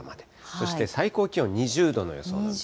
そして最高気温２０度の予想ですね。